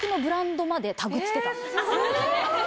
・すごい！